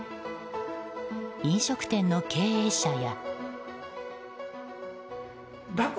飲食店の経営者や。